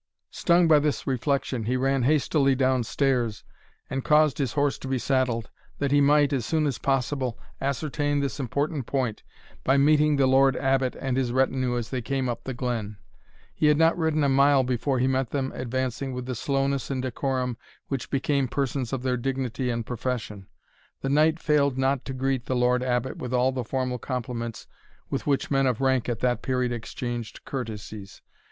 Stung by this reflection, he ran hastily down stairs, and caused his horse to be saddled, that he might, as soon as possible, ascertain this important point, by meeting the Lord Abbot and his retinue as they came up the glen. He had not ridden a mile before he met them advancing with the slowness and decorum which became persons of their dignity and profession. The knight failed not to greet the Lord Abbot with all the formal compliments with which men of rank at that period exchanged courtesies.